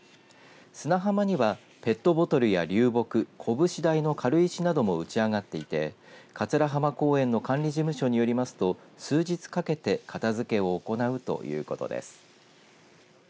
砂浜にはペットボトルや流木こぶし大の軽石なども打ち上がっていて桂浜公園の管理事務所によりますと数日かけて片づけを行うということです。